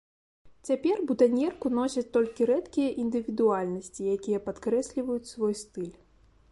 Цяпер бутаньерку носяць толькі рэдкія індывідуальнасці, якія падкрэсліваюць свой стыль.